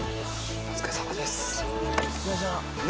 お疲れさまでした。